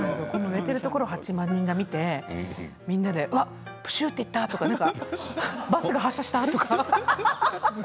寝ているところ８万人が見て、みんなでぷしゅって言ったとかバスが発車した、とか。